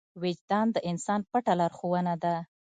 وجدان د انسان پټه لارښوونه ده.